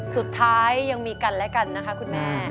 ก็เอากำลังใจสู้ให้เรามีชีวิตยืนยาวต่อไป